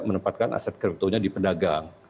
menempatkan aset kriptonya diperdagang